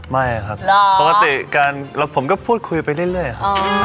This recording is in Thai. ไม่ครับปกติแล้วผมก็พูดคุยไปเรื่อยครับ